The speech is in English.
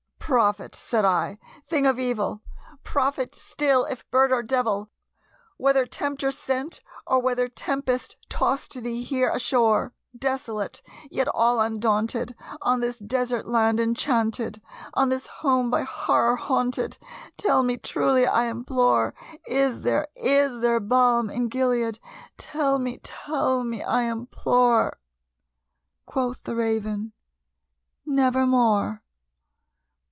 "Prophet!" said I, "thing of evil! prophet still, if bird or devil! Whether Tempter sent, or whether tempest tossed thee here ashore, Desolate yet all undaunted, on this desert land enchanted On this home by Horror haunted tell me truly, I implore Is there is there balm in Gilead? tell me tell me, I implore!" Quoth the Raven, "Nevermore."